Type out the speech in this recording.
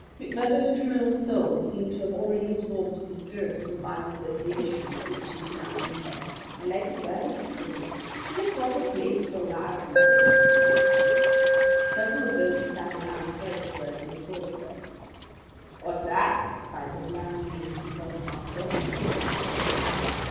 McMurdo's criminal soul seemed to have already absorbed the spirit of the vile association of which he was now a member. "I like it well," said he. "'Tis a proper place for a lad of mettle." Several of those who sat around heard his words and applauded them. "What's that?" cried the black maned Bodymaster from the end of the table.